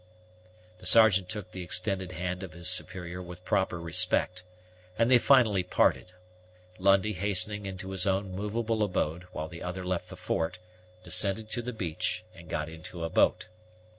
The Sergeant took the extended hand of his superior with proper respect, and they finally parted; Lundie hastening into his own movable abode, while the other left the fort, descended to the beach, and got into a boat.